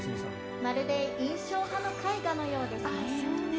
まるで印象派の絵画のようですね。